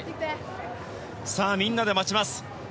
みんなで待ちます。